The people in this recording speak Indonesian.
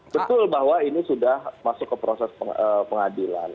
betul bahwa ini sudah masuk ke proses pengadilan